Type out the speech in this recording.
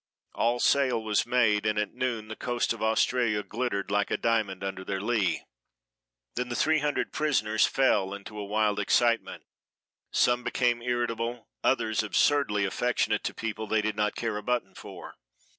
All sail was made and at noon the coast of Australia glittered like a diamond under their lee. Then the three hundred prisoners fell into a wild excitement some became irritable, others absurdly affectionate to people they did not care a button for.